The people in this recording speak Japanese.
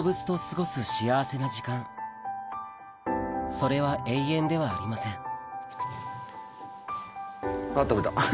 それは永遠ではありませんあっ食べた。